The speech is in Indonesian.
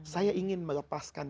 saya ingin melepaskan